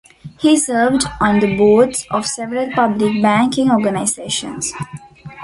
He served on the boards of several public banking organizations.